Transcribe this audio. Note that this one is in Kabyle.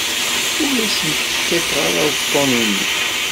Ur asent-ttaket ara uḍḍun-inu.